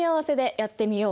やってみよう！